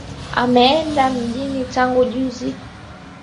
Ameenda mjini tangu juzi.